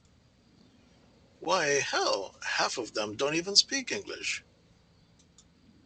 Why, hell, half of them don't even speak English.